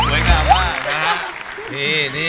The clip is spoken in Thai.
ช่วยกล้ามากค่ะ